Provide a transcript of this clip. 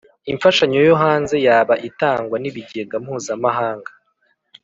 imfashanyo yo hanze yaba itangwa n’ ibigega mpuzamahanga